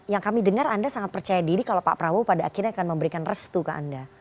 yang kami dengar anda sangat percaya diri kalau pak prabowo pada akhirnya akan memberikan restu ke anda